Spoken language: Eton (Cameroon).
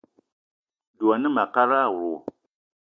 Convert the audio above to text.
Dwé a ne ma a kalada wo.